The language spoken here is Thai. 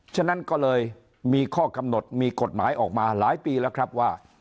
ฉะนั้นก็เลยมีข้อกำหนดมีกฎหมายออกมาหลายปีแล้วครับว่า